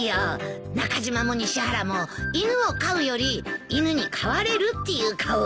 中島も西原も犬を飼うより犬に飼われるっていう顔をしてるからね。